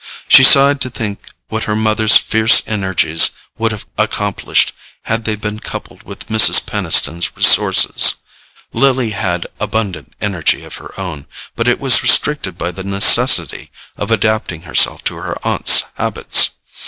She sighed to think what her mother's fierce energies would have accomplished, had they been coupled with Mrs. Peniston's resources. Lily had abundant energy of her own, but it was restricted by the necessity of adapting herself to her aunt's habits.